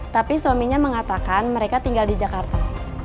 tapi suaminya mengatakan mereka tinggal di jakarta